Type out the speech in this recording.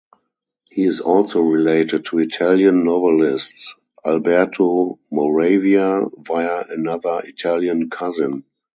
He is also related to Italian novelist Alberto Moravia via another Italian cousin.